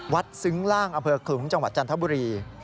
ซึ้งล่างอำเภอขลุงจังหวัดจันทบุรี